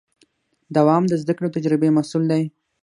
دوام د زدهکړې او تجربې محصول دی.